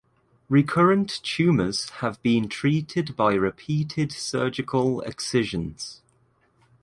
Recurrent tumors have been treated by repeated surgical excisions.